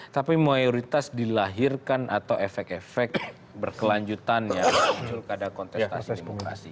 tapi mayoritas dilahirkan atau efek efek berkelanjutan yang muncul pada kontestasi demokrasi